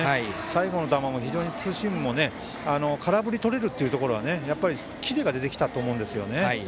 最後の球、ツーシームも空振りをとれるところでキレが出てきたと思うんですね。